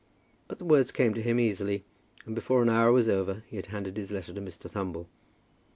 But the words came to him easily, and before an hour was over he had handed his letter to Mr. Thumble.